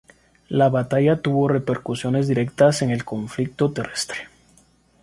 La batalla tuvo repercusiones directas en el conflicto terrestre.